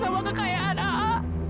yang suka sama kekayaan a'a